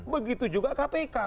begitu juga kpk